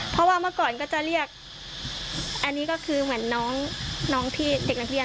เพราะว่าเมื่อก่อนก็จะเรียกอันนี้ก็คือเหมือนน้องที่เด็กนักเรียน